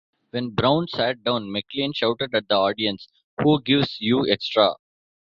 When Brown sat down, McClean shouted at the audience Who gives you extra?